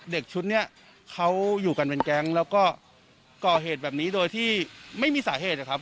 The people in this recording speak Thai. เด็กชุดนี้เขาอยู่กันเป็นแก๊งแล้วก็ก่อเหตุแบบนี้โดยที่ไม่มีสาเหตุนะครับ